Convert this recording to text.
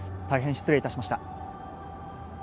大変失礼いたしました。